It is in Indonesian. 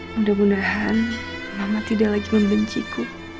mudah mudahan mama tidak lagi membenciku